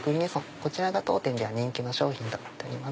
こちらが当店では人気の商品となっております。